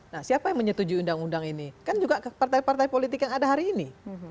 nah siapa yang menyetujui undang undang ini kan juga partai partai politik yang ada hari ini